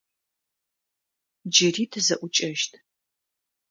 Джыри тызэӏукӏэщт.